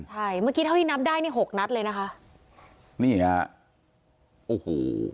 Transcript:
ใช่เมื่อกี้เท่าที่นับได้นี่หกนัดเลยนะคะนี่ฮะโอ้โห